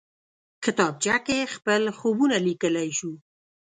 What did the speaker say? کتابچه کې خپل خوبونه لیکلی شو